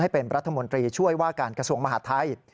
เป็นรัฐมนตรีช่วยว่าการกระทรวงมหาดไทย